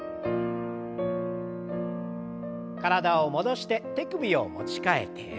体を戻して手首を持ち替えて。